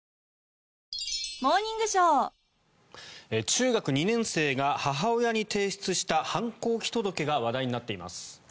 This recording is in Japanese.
中学２年生が母親に提出した反抗期届が話題になっています。